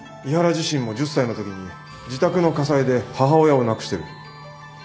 井原自身も１０歳のときに自宅の火災で母親を亡くしてる。